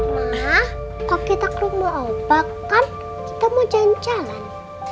ma kok kita ke rumah opah kan kita mau jalan jalan